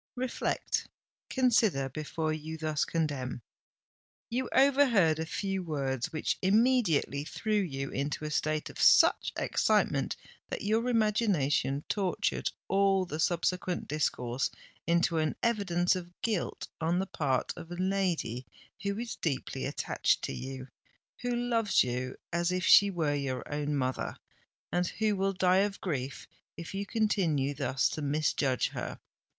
Reflect—consider before you thus condemn! You overheard a few words which immediately threw you into a state of such excitement that your imagination tortured all the subsequent discourse into an evidence of guilt on the part of a lady who is deeply attached to you—who loves you as if she were your own mother—and who will die of grief if you continue thus to misjudge her.